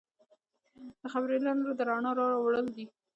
د خبریالانو رول د رڼا راوړل دي.